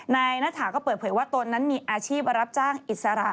ณฐาก็เปิดเผยว่าตนนั้นมีอาชีพรับจ้างอิสระ